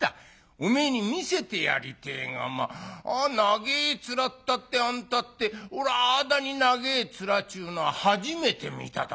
おめえに見せてやりてえが長え面ったってあんたっておらああだに長え面ちゅうのは初めて見ただ。